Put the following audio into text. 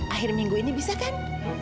akhir minggu ini bisa kan